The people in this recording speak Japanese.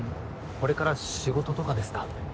これから仕事とかですか？